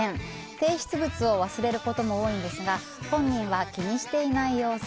提出物を忘れることも多いんですが本人は気にしていない様子。